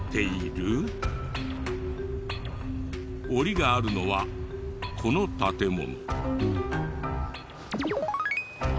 檻があるのはこの建物。